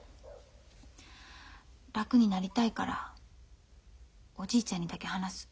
楽になりたいからおじいちゃんにだけ話す。